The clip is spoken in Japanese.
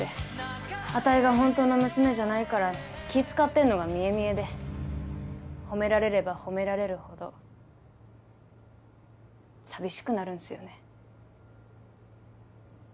あたいが本当の娘じゃないから気ぃ使ってんのが見え見えで褒められれば褒められるほど寂しくなるんすよね。